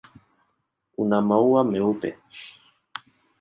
Una maua meupe.